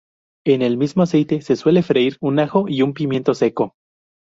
En el mismo aceite se suele freír un ajo y un pimiento seco.